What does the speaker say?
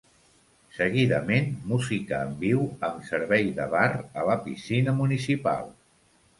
Seguidament, música en viu amb servei de bar a la piscina municipal.